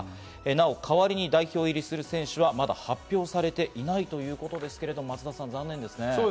なお、代わりに代表入りする選手はまだ発表されていないということですけれども、松田さん、残念ですね。